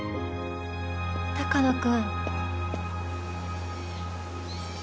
鷹野君。